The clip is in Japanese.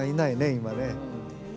今ね。